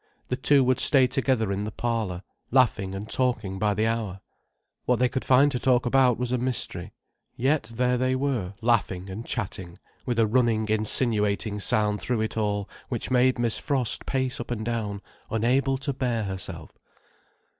The two would stay together in the parlour, laughing and talking by the hour. What they could find to talk about was a mystery. Yet there they were, laughing and chatting, with a running insinuating sound through it all which made Miss Frost pace up and down unable to bear herself.